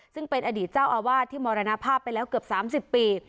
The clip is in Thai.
ซึ่งเป็นอดีตเจ้าอาวาสที่มรณภาพไปแล้วเกือบ๓๐ปี